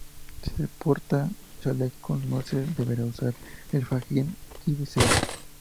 Si se porta chaleco no se deberá usar el fajín y viceversa.